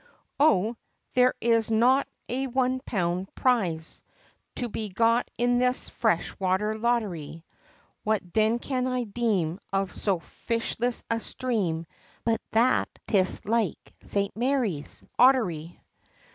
Oh! there is not a one pound prize To be got in this fresh water lottery! What then can I deem Of so fishless a stream But that 'tis like St. Mary's Ottery!